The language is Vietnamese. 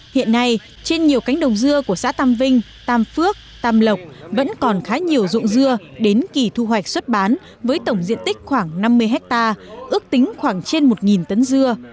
hiện nay trên nhiều cánh đồng dưa của xã tam vinh tam phước tam lộc vẫn còn khá nhiều dụng dưa đến kỳ thu hoạch xuất bán với tổng diện tích khoảng năm mươi hectare ước tính khoảng trên một tấn dưa